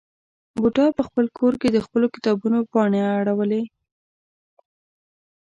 بوډا په خپل کور کې د خپلو کتابونو پاڼې اړولې.